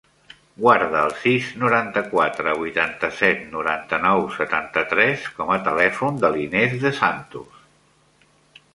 Guarda el sis, noranta-quatre, vuitanta-set, noranta-nou, setanta-tres com a telèfon de l'Inès De Santos.